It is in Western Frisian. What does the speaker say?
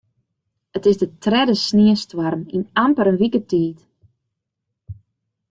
It is de tredde sniestoarm yn amper in wike tiid.